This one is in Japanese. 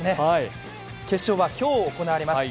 決勝は今日行われます。